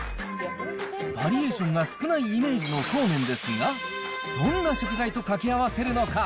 バリエーションが少ないイメージのそうめんですが、どんな食材と掛け合わせるのか。